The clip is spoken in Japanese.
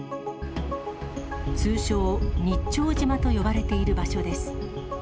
通称、上潮島と呼ばれている場所です。